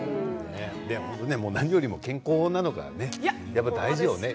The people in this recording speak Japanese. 何よりも健康なのがね大事よね。